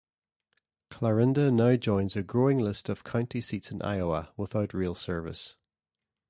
Clarinda now joins a growing list of county seats in Iowa without rail service.